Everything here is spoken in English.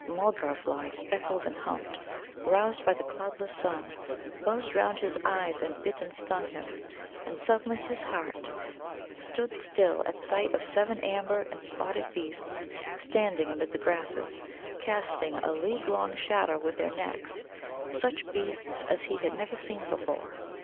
Mulgar flies, speckled and humped, roused by the cloudless sun, buzzed round his eyes and bit and stung him. And suddenly his heart stood still at sight of seven amber and spotted beasts standing amid the grasses, casting a league long shadow with their necks such beasts as he had never seen before.